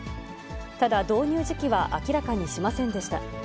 ただ導入時期は明らかにしませんでした。